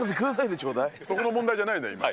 そこの問題じゃないのよ。